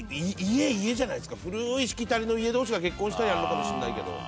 古いしきたりの家同士が結婚したらやるのかもしれないけど。